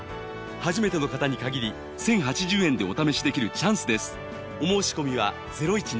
初めての方に限り１０８０円でお試しできるチャンスです